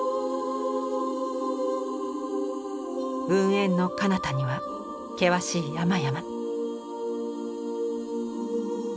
雲煙のかなたには険しい山々。